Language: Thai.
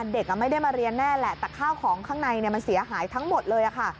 เด็กไม่ได้มาเรียนแน่แหละแต่ข้าวของข้างในมันเสียหายทั้งหมดเลยค่ะ